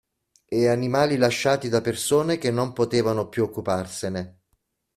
E animali lasciati da persone che non potevano più occuparsene.